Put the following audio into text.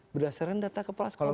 berdasarkan data kepala sekolah